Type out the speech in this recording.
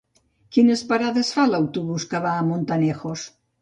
Quines parades fa l'autobús que va a Montanejos?